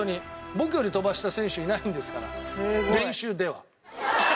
僕より飛ばした選手いないんですから練習では。